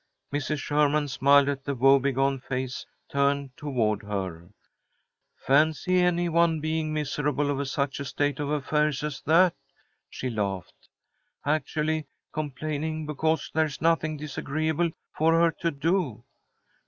Mrs. Sherman smiled at the wobegone face turned toward her. "Fancy any one being miserable over such a state of affairs as that!" she laughed. "Actually complaining because there's nothing disagreeable for her to do!